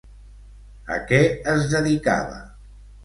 A què es dedicava?